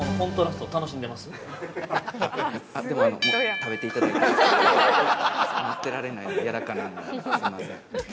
すんません。